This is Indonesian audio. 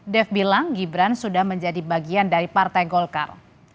dev bilang gibran sudah menjadi bagian dari partai golkar